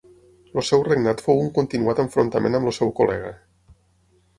El seu regnat fou un continuat enfrontament amb el seu col·lega.